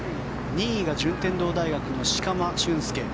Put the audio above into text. ２位が順天堂大学の四釜峻佑。